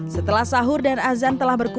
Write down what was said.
setelah sahur dan azan telah berkurang